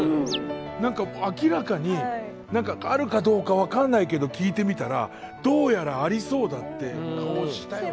何か明らかにあるかどうか分からないけど聞いてみたらどうやらありそうだって顔したよね？